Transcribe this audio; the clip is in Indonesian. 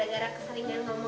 jangan suka yang itu